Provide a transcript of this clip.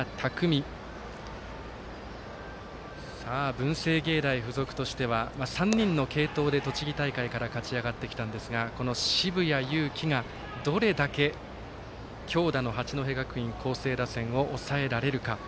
文星芸大付属としては３人の継投で栃木大会から勝ち上がってきたんですがこの澁谷優希が、どれだけ強打の八戸学院光星打線を抑えられるか。